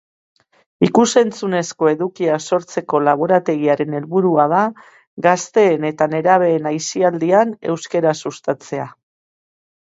Ikus-entzunezko edukiak sortzeko laborategiaren helburua da gazteen eta nerabeen aisialdian euskara sustatzea.